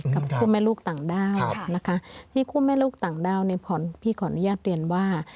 กับคู่แม่ลูกต่างด้าวนะคะที่คู่แม่ลูกต่างด้าวเนี่ยพี่ขออนุญาตเรียนว่า